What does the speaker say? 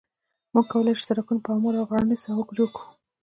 موږ کولای شو سرکونه په هموارو او غرنیو ساحو کې جوړ کړو